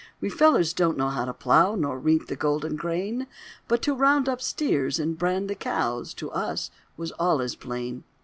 We fellers don't know how to plow, Nor reap the golden grain; But to round up steers and brand the cows To us was allus plain.